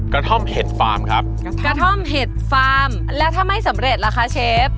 กระท่อมเห็ดฟาร์มครับกระท่อกระท่อมเห็ดฟาร์มแล้วถ้าไม่สำเร็จล่ะคะเชฟ